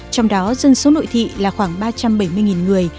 trong đó dân số nội thị là khoảng ba trăm bảy mươi người